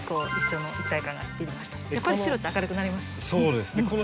そうですね。